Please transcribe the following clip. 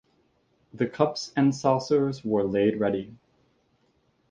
The cups and saucers were laid ready.